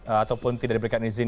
ataupun tidak diberikan izin